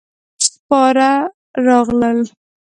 سپاره راغلل.